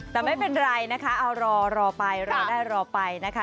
แต่ไม่เป็นไรนะคะเอารอไปรอได้รอไปนะคะ